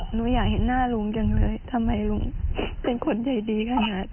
หนูอยากเห็นหน้าลุงจังเลยทำไมลุงเป็นคนใจดีขนาด